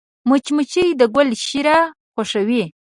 مچمچۍ د ګل شیره خوښوي